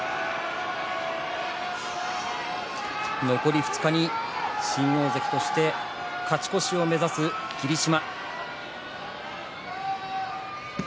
残り２日に新大関として勝ち越しを目指す霧島。